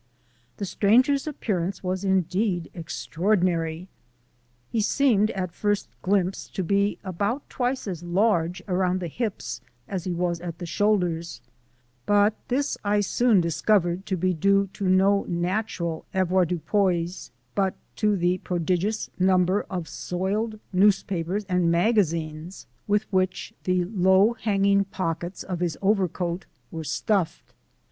The stranger's appearance was indeed extraordinary. He seemed at first glimpse to be about twice as large around the hips as he was at the shoulders, but this I soon discovered to be due to no natural avoir dupois but to the prodigious number of soiled newspapers and magazines with which the low hanging pockets of his overcoat were stuffed.